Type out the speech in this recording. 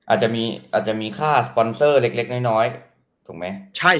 อาจจะมีค่าสปอนเซอร์เล็กน้อยถูกไหม